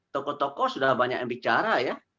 tokoh tokoh sudah banyak yang bicara ya